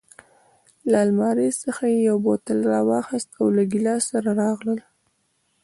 له المارۍ څخه یې یو بوتل راواخیست او له ګیلاس سره راغلل.